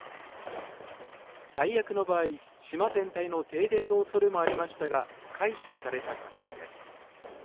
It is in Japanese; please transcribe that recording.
最悪の場合、島全体の停電の恐れもありましたが、回避された形です。